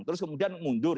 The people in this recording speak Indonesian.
terus kemudian mundur